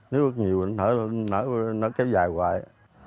nếu ướt nhiều thì nó kéo dài hoài